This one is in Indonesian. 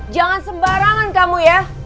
jangan sembarangan kamu ya